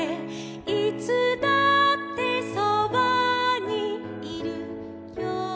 「いつだってそばにいるよ」